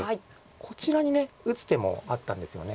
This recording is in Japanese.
こちらに打つ手もあったんですよね。